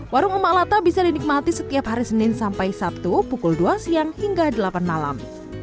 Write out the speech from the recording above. warung umaklata bisa dinikmati setiap hari senin sampai sabtu pukul dua siang hingga delapan malam